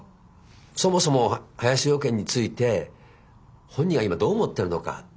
そもそも林養賢について本人は今どう思ってるのか。